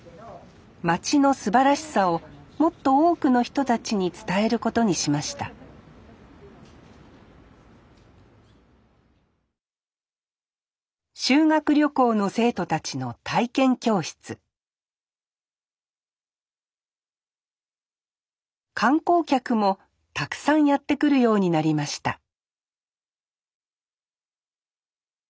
町のすばらしさをもっと多くの人たちに伝えることにしました修学旅行の生徒たちの体験教室観光客もたくさんやって来るようになりました